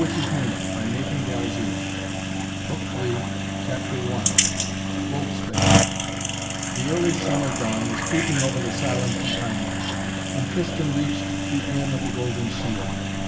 END OF BOOK THE SECOND BOOK THE THIRD CHAPTER I WOLFSBANE The early summer dawn was creeping over the silent Campagna when Tristan reached the Inn of The Golden Shield.